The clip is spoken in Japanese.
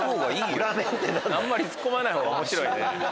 あんまりツッコまない方が面白いね。